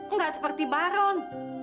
nggak seperti baron